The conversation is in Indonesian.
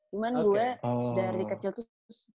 cuman gue dari kecil tuh